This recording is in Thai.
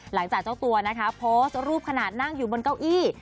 หลังจากเจ้าตัวโพสต์รูปขนาดนั่งอยู่บนเก้าอี้